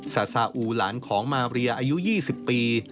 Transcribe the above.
ซาซาอูหลานของมาเรียอายุ๒๐ปี